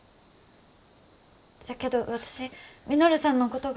じゃけど私稔さんのことが。